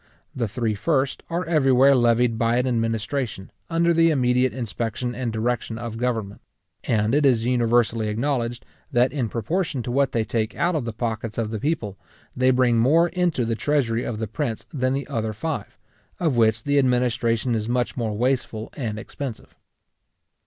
The three first are everywhere levied by an administration, under the immediate inspection and direction of government; and it is universally acknowledged, that in proportion to what they take out of the pockets of the people, they bring more into the treasury of the prince than the other five, of which the administration is much more wasteful and expensive.